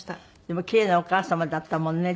でも奇麗なお母様だったもんね。